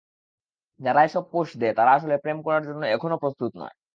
যারা এসব পোস্ট দেয় তারা আসলে প্রেম করার জন্য এখনো প্রস্তুত নয়।